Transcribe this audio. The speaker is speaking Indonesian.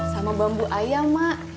sama bambu ayam mak